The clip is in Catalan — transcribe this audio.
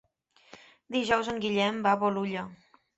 Dijous en Guillem va a Bolulla.